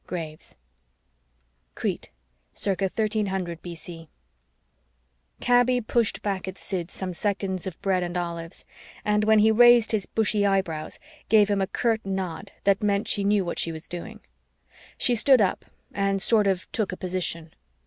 Graves CRETE CIRCA 1300 B.C. Kaby pushed back at Sid some seconds of bread and olives, and, when he raised his bushy eyebrows, gave him a curt nod that meant she knew what she was doing. She stood up and sort of took a position.